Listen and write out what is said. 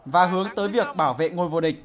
và hướng tới việc bảo vệ ngôi vua địch